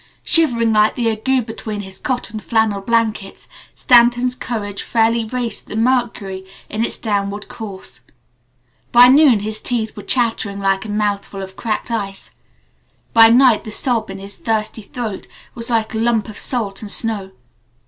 Shivering like the ague between his cotton flannel blankets, Stanton's courage fairly raced the mercury in its downward course. By noon his teeth were chattering like a mouthful of cracked ice. By night the sob in his thirsty throat was like a lump of salt and snow.